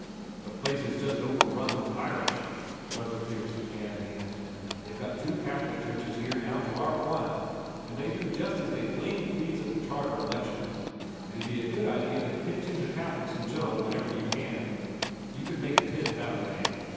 "The place is jest overrun with Irish," Brother Pierce began again. "They've got two Catholic churches here now to our one, and they do jest as they blamed please at the Charter elections. It'd be a good idee to pitch into Catholics in general whenever you can. You could make a hit that way.